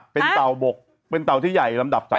เป็นเต่าบกเป็นเต่าที่ใหญ่ลำดับสาย